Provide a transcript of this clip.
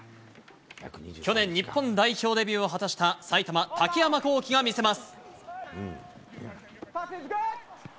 去年、日本代表デビューを果たした埼玉、竹山こうきが見せます。